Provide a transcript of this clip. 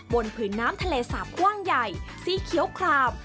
ผืนน้ำทะเลสาบกว้างใหญ่สีเขียวคลาม